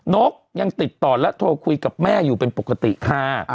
นกยังติดต่อและโทรคุยกับแม่อยู่เป็นปกติค่ะ